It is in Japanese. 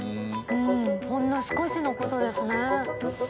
ほんの少しの事ですね。